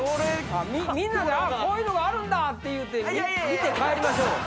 みんなでこういうのがあるんだって言うて見て帰りましょうよ。